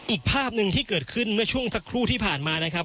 อีกภาพหนึ่งที่เกิดขึ้นเมื่อช่วงสักครู่ที่ผ่านมานะครับ